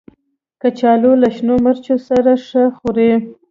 کچالو له شنو مرچو سره ښه خوري